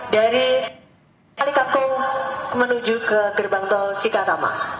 dari harikako menuju ke gerbang tol cikatama